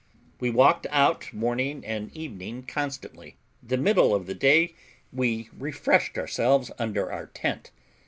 We walked out morning and evening constantly; the middle of the day we refreshed ourselves under our tent.